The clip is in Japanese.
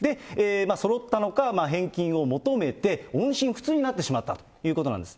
そろったのか、返金を求めて、音信不通になってしまったということなんです。